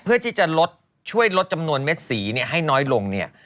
เพื่อที่จะลดช่วยลดจำนวนเม็ดสีเนี่ยให้น้อยลงเนี่ย